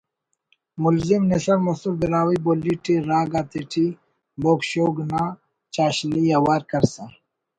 ”ملزم“ نشر مسر براہوئی بولی ٹی راگ آتیٹی بوگ شوگ نا چاشنی ءِ اوار کرسا